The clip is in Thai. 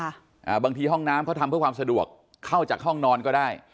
อ่าบางทีห้องน้ำเขาทำเพื่อความสะดวกเข้าจากห้องนอนก็ได้